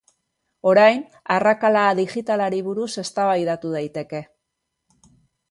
Orain arrakala digitalari buruz eztabaidatu daiteke.